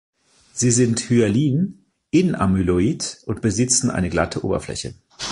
Sie sind hyalin, inamyloid und besitzen eine glatte Oberfläche.